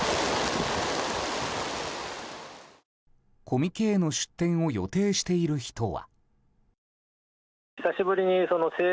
コミケへの出店を予定している人は。